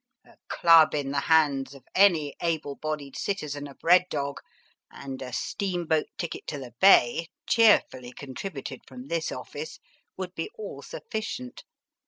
A club in the hands of any able bodied citizen of Red Dog and a steamboat ticket BRET HARTE 263 to the Bay, cheerfully contributed from this office, would be all sufficient.